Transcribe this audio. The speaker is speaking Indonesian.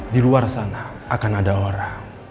di luar sana akan ada orang